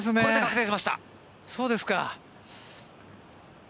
そうですか。